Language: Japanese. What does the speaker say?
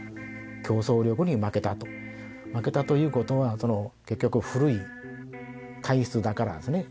競争力に負けたと負けたということはその結局古い体質だからなんですね